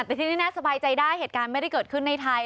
แต่ที่นี่น่าสบายใจได้เหตุการณ์ไม่ได้เกิดขึ้นในไทย